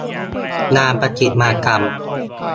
งานประติมากรรม